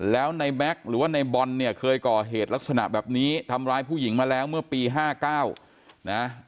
แล้วในแม็กซ์หรือว่าในบอลเนี่ยเคยก่อเหตุลักษณะแบบนี้ทำร้ายผู้หญิงมาแล้วเมื่อปี๕๙นะ